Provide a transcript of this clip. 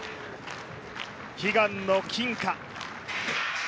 悲願の金か